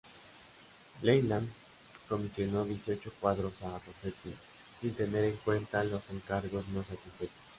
Leyland comisionó dieciocho cuadros a Rossetti, sin tener en cuenta los encargos no satisfechos.